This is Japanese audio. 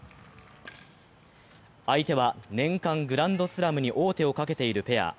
相手は年間グランドスラムに王手をかけているペア。